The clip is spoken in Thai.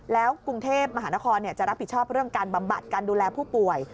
แล้วกรุงเทพมหานครจะรับผิดชอบเรื่องการบำบัดการดูแลผู้ป่วย